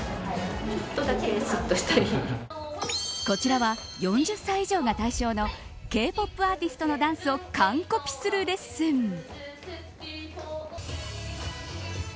こちらは、４０歳以上が対象のＫ−ＰＯＰアーティストのダンスを完コピするレッスン。